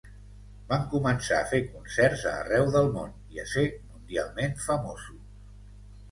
Van començar a fer concerts a arreu del món i a ser mundialment famosos.